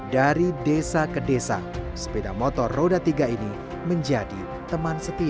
dari desa ke desa sepeda motor roda tiga ini menjadi teman setia